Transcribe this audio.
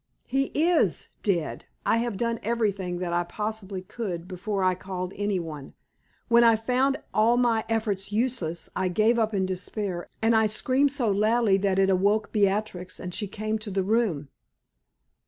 "He is dead. I have done everything that I possibly could before I called any one. When I found all my efforts useless, I gave up in despair, and I screamed so loudly that it awoke Beatrix, and she came to the room."